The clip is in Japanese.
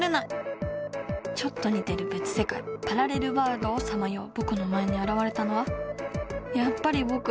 ちょっとにてる別世界パラレルワールドをさまようぼくの前にあらわれたのはやっぱりぼく。